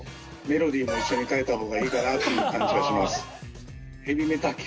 メロディも一緒に変えた方がいいかなという感じはします。